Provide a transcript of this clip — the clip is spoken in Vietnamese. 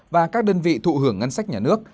và các đơn vị thụ hưởng ngân sách nhà nước